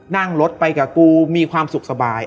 นั่งรถไปกับกูมีความสุขสบาย